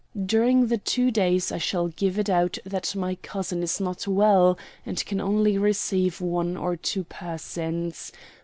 During the two days I shall give it out that my cousin is not well, and can only receive one or two persons.